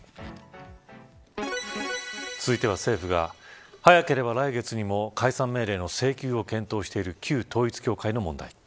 続いては、政府が早ければ来月にも解散命令の請求を検討している旧統一教会の問題。